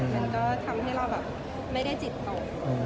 มันก็ทำให้เราแบบไม่ได้จิตตก